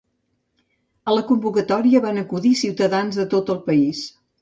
A la convocatòria van acudir ciutadans de tot el país.